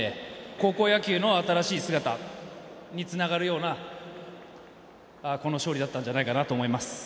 高校野球の新しい姿につながるような、この勝利だったんじゃないかなと思います。